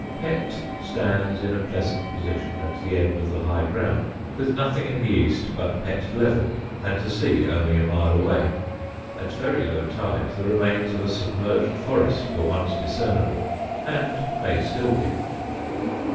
Pett stands in a pleasant position at the end of the high ground, with nothing in the east but Pett Level, and the sea only a mile away. At very low tide the remains of a submerged forest were once discernible, and may still be.